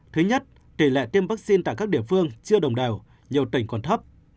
thứ nhất tỷ lệ tiêm vaccine tại các địa phương chưa đồng đều nhiều tỉnh còn thấp